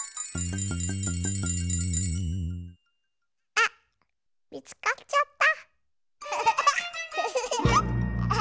あっみつかっちゃった。